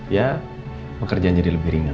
ya pekerjaan jadi lebih ringan